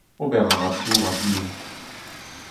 Ober a ra dour a-bil.